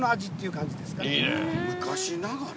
昔ながら？